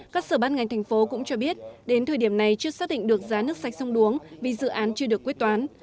các sở bán ngành thành phố cũng cho biết đến thời điểm này chưa xác định được giá nước sạch sông đuống vì dự án chưa được quyết toán